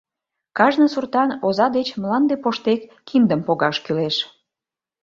Кажне суртан оза деч, мланде поштек, киндым погаш кӱлеш.